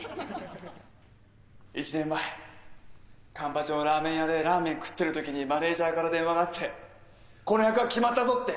１年前環八のラーメン屋でラーメン食ってるときにマネージャーから電話があってこの役が決まったぞって。